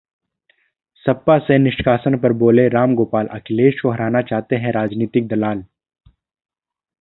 सपा से निष्कासन पर बोले रामगोपाल- अखिलेश को हराना चाहते हैं राजनीतिक दलाल